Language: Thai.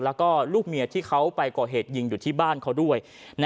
แล้วก็ลูกเมียที่เขาไปก่อเหตุยิงอยู่ที่บ้านเขาด้วย